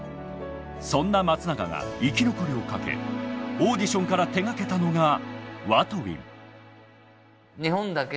そんな松永が生き残りを賭けオーディションから手がけたのがＷＡＴＷＩＮＧ。